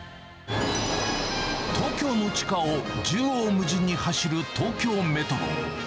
東京の地下を縦横無尽に走る東京メトロ。